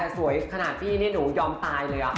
สวยขนาดพี่เนี่ยหนูยอมตายเลยอะ